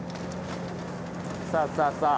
さあさあさあ。